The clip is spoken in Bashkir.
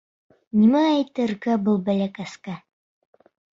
Нимә әйтергә был бәләкәскә!